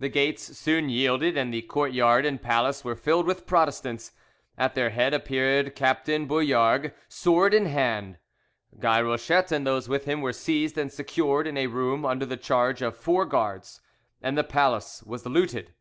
The gates soon yielded, and the courtyard and palace were filled with Protestants: at their head appeared Captain Bouillargues, sword in hand. Guy Rochette and those with him were seized and secured in a room under the charge of four guards, and the palace was looted.